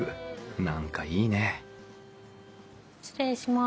何かいいね失礼します。